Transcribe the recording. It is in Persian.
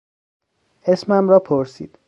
اسمم را پرسید.